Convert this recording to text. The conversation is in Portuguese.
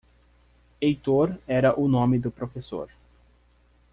Heitor era o nome do prefessor.